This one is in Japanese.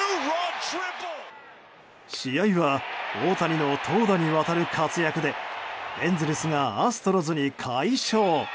試合は大谷の投打にわたる活躍でエンゼルスがアストロズに快勝。